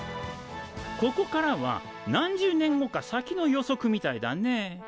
ここからは何十年後か先の予測みたいだね。